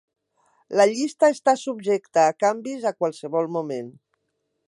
La llista està subjecta a canvis a qualsevol moment.